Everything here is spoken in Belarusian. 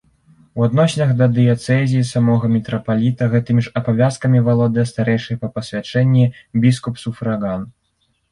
У адносінах да дыяцэзіі самога мітрапаліта гэтымі ж абавязкамі валодае старэйшы па пасвячэнні біскуп-суфраган.